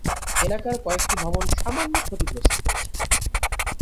এলাকার কয়েকটি ভবন সামান্য ক্ষতিগ্রস্ত হয়েছিল।